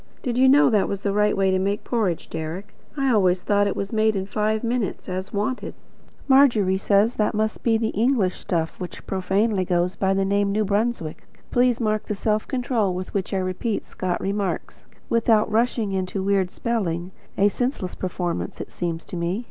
Did you know that was the right way to make porridge, Deryck? I always thought it was made in five minutes, as wanted. Margery says that must be the English stuff which profanely goes by the name. (N.B. Please mark the self control with which I repeat Scotch remarks, without rushing into weird spelling; a senseless performance, it seems to me.